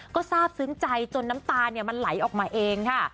ก็ทราบซึ้งใจจนน้ำตามันไหลออกมาเองค่ะ